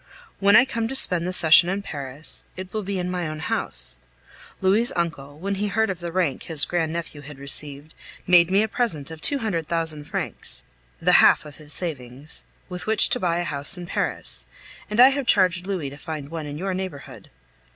When I come to spend the session in Paris, it will be in my own house. Louis' uncle, when he heard of the rank his grand nephew had received, made me a present of two hundred thousand francs (the half of his savings) with which to buy a house in Paris, and I have charged Louis to find one in your neighborhood.